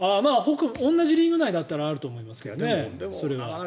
同じリーグ内だったらあると思いますけどね。